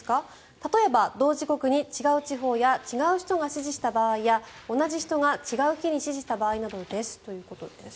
例えば、同時刻に違う地方や違う指示をした場合や同じ人が違う日に指示した場合などですということです。